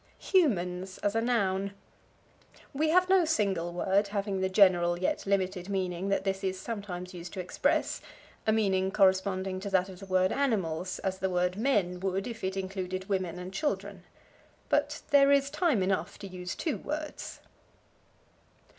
Humans as a Noun. We have no single word having the general yet limited meaning that this is sometimes used to express a meaning corresponding to that of the word animals, as the word men would if it included women and children. But there is time enough to use two words.